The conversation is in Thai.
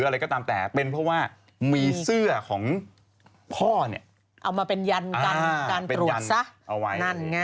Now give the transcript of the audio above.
เอ้านั่นไง